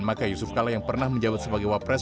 maka yusuf kalah yang pernah menjawab sebagai wapres